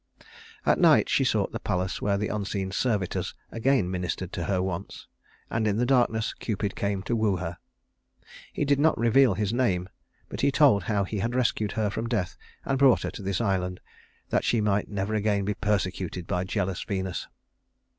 At night she sought the palace where the unseen servitors again ministered to her wants; and in the darkness, Cupid came to woo her. He did not reveal his name, but he told how he had rescued her from death and brought her to this island, that she might never again be persecuted by jealous Venus.